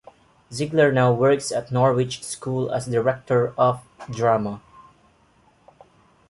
Ziegler now works at Norwich School as Director of Drama.